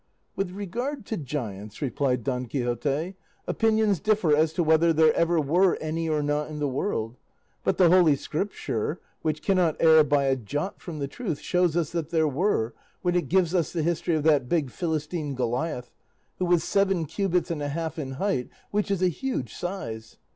"With regard to giants," replied Don Quixote, "opinions differ as to whether there ever were any or not in the world; but the Holy Scripture, which cannot err by a jot from the truth, shows us that there were, when it gives us the history of that big Philistine, Goliath, who was seven cubits and a half in height, which is a huge size.